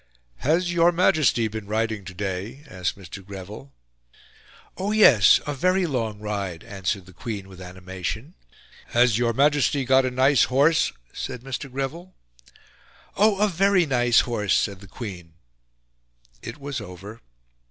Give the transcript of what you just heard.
"Has your Majesty been riding today?" asked Mr. Greville. "Oh yes, a very long ride," answered the Queen with animation. "Has your Majesty got a nice horse?" said Mr. Greville. "Oh, a very nice horse," said the Queen. It was over.